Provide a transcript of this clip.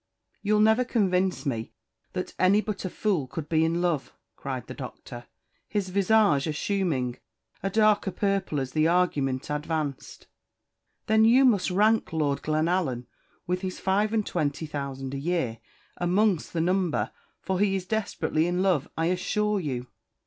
"You'll never convince me that any but a fool can be in love," cried the Doctor, his visage assuming a darker purple as the argument advanced. "Then you must rank Lord Glenallan, with his five and twenty thousand a year, amongst the number, for he is desperately in love, I assure you."